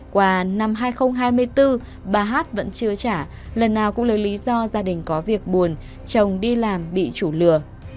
qua năm hai nghìn hai mươi bốn bà hát vẫn chưa trả lần nào cũng lấy lý do gia đình có việc buồn chồng đi làm bị chủ lừa